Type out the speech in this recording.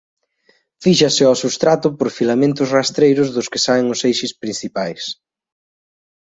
Fíxase ao substrato por filamentos rastreiros dos que saen os eixes principais.